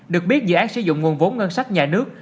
được biết dự án sử dụng nguồn vốn ngân sách nhà nước